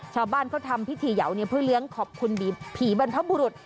ชาวบ้านเขาทำพิธีเหยาวเนี่ยเพื่อเลี้ยงขอบคุณผีบรรพบุรุษ